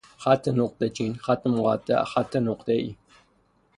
خط نقطهچین، خط مقطع، خط نقطهای